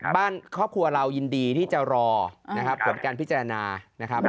บ้านครอบครัวเรายินดีที่จะรอผลการพิจารณานะครับ